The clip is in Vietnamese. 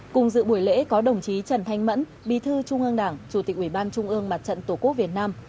cùng dự buổi lễ có đồng chí trần thanh mẫn bí thư trung ương đảng chủ tịch ủy ban trung ương mặt trận tổ quốc việt nam